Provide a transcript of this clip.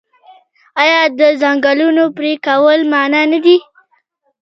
آیا د ځنګلونو پرې کول منع نه دي؟